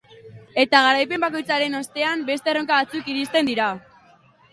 Eta garaipen bakoitzaren ostean beste erronka batzuk iristen dira.